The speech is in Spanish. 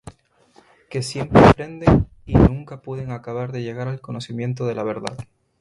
Que siempre aprenden, y nunca pueden acabar de llegar al conocimiento de la verdad.